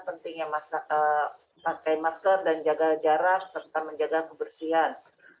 pentingnya pakai masker dan jaga jarak serta menjaga kebersihan